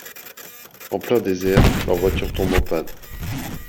En plein désert, leur voiture tombe en panne.